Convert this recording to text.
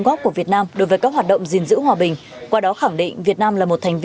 góp của việt nam đối với các hoạt động gìn giữ hòa bình qua đó khẳng định việt nam là một thành